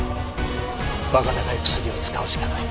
馬鹿高い薬を使うしかない。